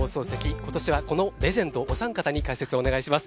今年はこのレジェンドお三方に解説をお願いします。